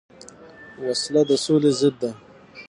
وسله د سولې ضد ده